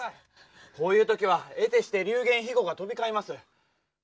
こういうときはえてして流言飛語が飛び交います。